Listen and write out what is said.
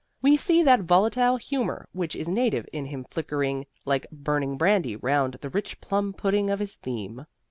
We see that volatile humor which is native in him flickering like burning brandy round the rich plum pudding of his theme.